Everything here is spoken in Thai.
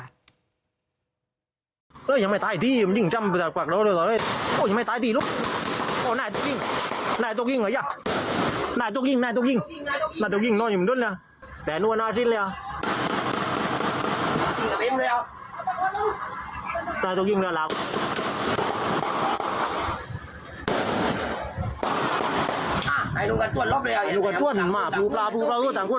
อ่าใครดูกันต้วนรอบเลยอ่ะดูกันต้วนมาพลูกปลาพลูกปลาพลูกต่างคน